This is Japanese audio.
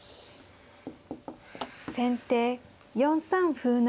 先手４三歩成。